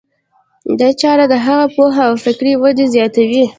دا چاره د هغه پوهه او فکري وده زیاتوي.